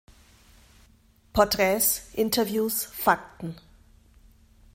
Portraits, Interviews, Fakten.